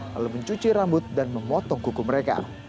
lalu mencuci rambut dan memotong kuku mereka